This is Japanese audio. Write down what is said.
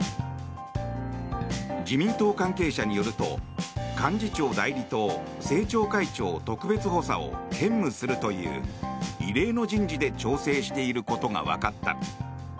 自民党関係者によると幹事長代理と政調会長特別補佐を兼務するという、異例の人事で調整していることがわかった。